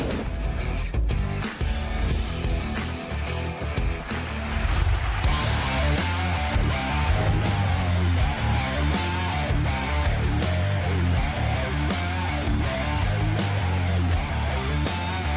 ได้เวลาที่จะหาผู้โครงอีกแล้วขอบคุณค่ะ